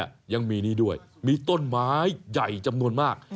ยังมีนี่ด้วยมีต้นไม้ใหญ่จำนวนมาก